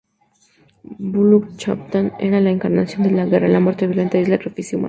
Buluc-Chabtan era la encarnación de la guerra, la muerte violenta y el sacrificio humano.